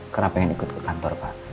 kenapa ingin ikut ke kantor pak